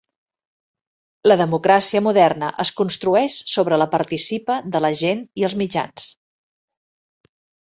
La democràcia moderna es construeix sobre la participa de la gent i els mitjans.